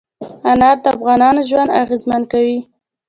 انار د افغانانو ژوند اغېزمن کوي.